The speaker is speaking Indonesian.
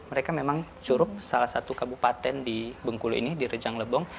mereka memang curup salah satu kabupaten di bengkulu ini di rejang lebong